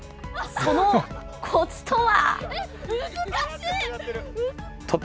そのコツとは。